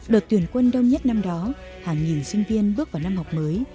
đợt tuyển quân đông nhất năm đó hàng nghìn sinh viên bước vào năm học mới